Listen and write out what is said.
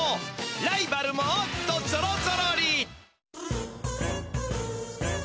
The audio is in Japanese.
ライバルもっとぞろぞろり！